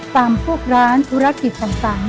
พวกร้านธุรกิจต่าง